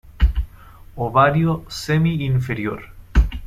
Ovario semi -inferior.